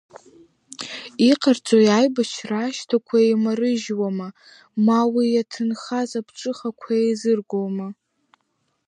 Иҟарҵои, аибашьра ашьҭақәа еимарыжьуама, ма уи иаҭынхаз аԥҽыхақәа еизыргома?